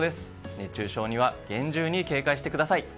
熱中症には厳重に警戒してください。